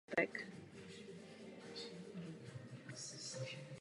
Do jednoho roku se objevují rohy.